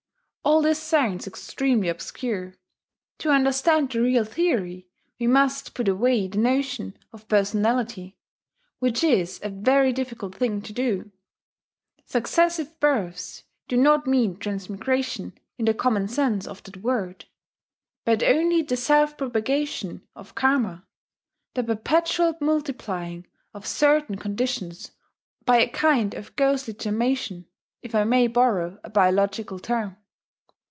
All this sounds extremely obscure: to understand the real theory we must put away the notion of personality, which is a very difficult thing to do. Successive births do not mean transmigration in the common sense of that word, but only the self propagation of Karma: the perpetual multiplying of certain conditions by a kind of ghostly gemmation, if I may borrow a biological term.